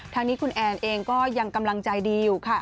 ทางนี้คุณแอนเองก็ยังกำลังใจดีอยู่ค่ะ